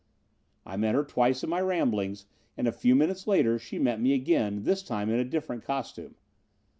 I met her twice in my ramblings and a few minutes later she met me again, this time in a different costume.